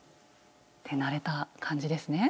手慣れた感じですね。